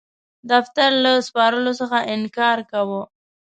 دفتر له سپارلو څخه انکار کاوه.